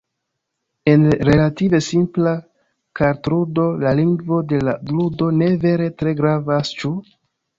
En relative simpla kartludo la lingvo de la ludo ne vere tre gravas, ĉu?